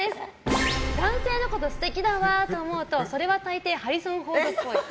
男性のこと、素敵だわと思うとそれは大抵ハリソン・フォードっぽい。